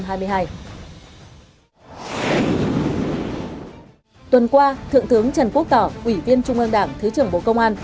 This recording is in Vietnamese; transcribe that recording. tuần qua thượng tướng trần quốc tỏ ủy viên trung ương đảng thứ trưởng bộ công an